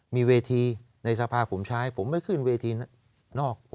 มีเวทีในสภาผมใช้ผมไม่ขึ้นเวทีนอก